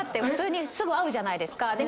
普通にすぐ会うじゃないですか。